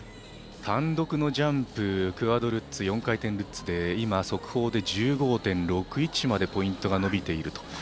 単独のジャンプクアッドルッツ、４回転ルッツで今、速報で１５．６１までポイントが伸びていると。